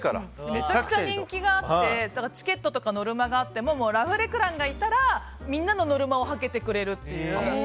めちゃくちゃ人気があってチケットとかのノルマがあってもラフレクランがいたらみんなのノルマをはけてくれるっていう。